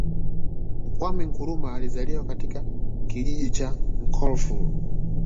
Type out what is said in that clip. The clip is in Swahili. Kwame Nkrumah alizaliwa katika kijiji cha Nkroful